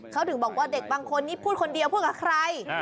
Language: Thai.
เขาถึงบอกว่าเด็กบางคนนี้พูดคนเดียวพูดกับใคร